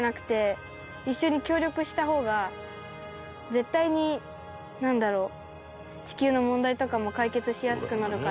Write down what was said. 絶対になんだろう。